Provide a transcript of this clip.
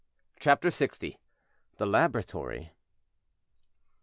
CHAPTER LX. THE LABORATORY.